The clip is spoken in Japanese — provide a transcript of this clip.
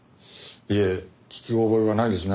いえ聞き覚えはないですね。